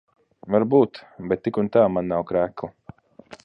Varbūt. Bet tik un tā man nav krekla.